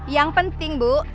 yang penting bu